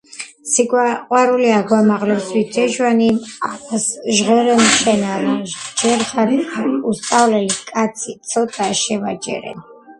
სიყვარული აგვამაღლებს ვით ეჟვანნი ამას ჟღერენ შენ არ ჯერხარ უსწავლელი კაცი ციტა შევაჯერენ